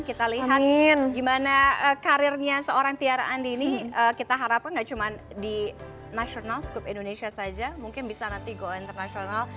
kita lihat gimana karirnya seorang tiara andini kita harapkan nggak cuma di national skup indonesia saja mungkin bisa nanti go internasional